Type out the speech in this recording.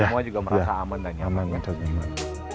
semua juga merasa aman dan nyaman